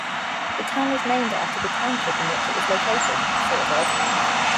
The town was named after the township in which it was located-sort of.